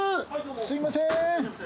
すみません。